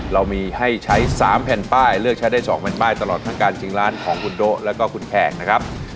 เรามีให้ใช้๓แผ่นป้ายเลือกใช้ได้๒แผ่นป้ายตลอดทั้งการชิงล้านของคุณโดะแล้วก็คุณแขกนะครับ